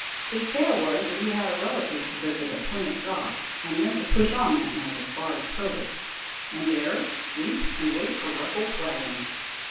His tale was that he had a relative to visit at Plymouth Dock, and meant to push on that night so far as Probus, and there sleep and wait for Russell's waggon."